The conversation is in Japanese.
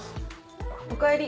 おかえり。